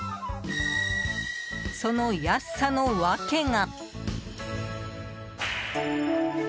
その安さの訳が。